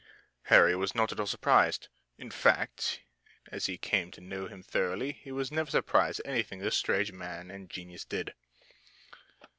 Harry was not at all surprised. In fact, as he came to know him thoroughly, he was never surprised at anything this strange man and genius did.